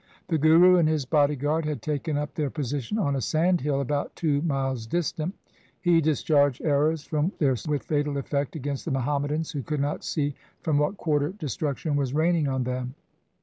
The Guru and his body guard had taken up their position on a sand hill about two miles distant. He discharged arrows from there with fatal effect against the Muhammadans who could not see from what quarter destruction was raining on them.